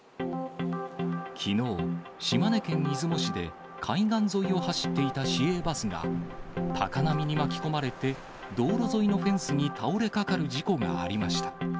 きのう、島根県出雲市で海岸沿いを走っていた市営バスが、高波に巻き込まれて、道路沿いのフェンスに倒れかかる事故がありました。